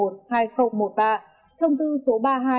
thông tư số ba trăm hai mươi hai nghìn một mươi bốn